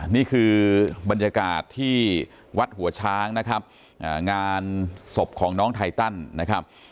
นี่คือบรรยากาศที่วัดหัวช้างนะครับงานศพของน้องไทตันนะครับ